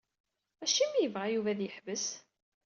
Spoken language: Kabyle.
Acimi i yebɣa Yuba ad yeḥbes?